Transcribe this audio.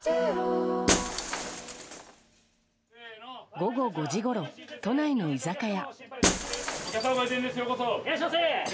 午後５時ごろ、都内の居酒屋。